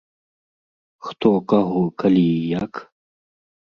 Хто, каго, калі і як?